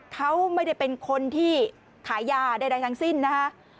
เขาไม่ได้เป็นคนที่ขายยาใดทั้งสิ้นนะคะ